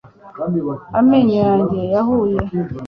Amenyo yanjye yahuye